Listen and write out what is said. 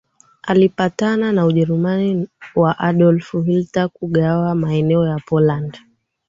alipatana na Ujerumani wa Adolf Hitler kugawa maeneo ya Poland